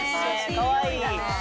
かわいい。